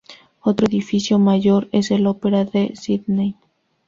Otro edificio mayor es el Ópera de Sídney.